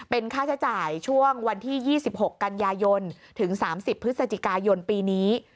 เป็นค่าใช้จ่ายช่วงวันที่๒๖กันยายนถึง๓๐พฤศจิกายนปีนี้